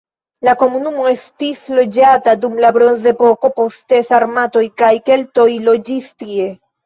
La komunumo estis loĝata dum la bronzepoko, poste sarmatoj kaj keltoj loĝis tie.